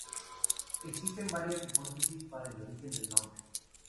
Existen varias hipótesis para el origen del nombre.